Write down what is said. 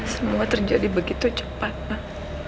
semua terjadi begitu cepat pak